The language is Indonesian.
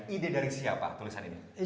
ide dari siapa tulisan ini